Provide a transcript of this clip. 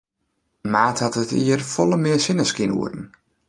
Maart hie dit jier folle mear sinneskynoeren.